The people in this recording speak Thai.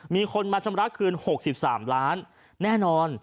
มีคนมาชำระคืน๖๓ล้านแน่นอน